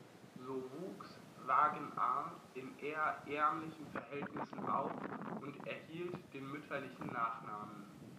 So wuchs Wagenaar in eher ärmlichen Verhältnissen auf und erhielt den mütterlichen Nachnamen.